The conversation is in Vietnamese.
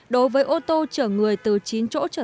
đối với ô tô chở người tải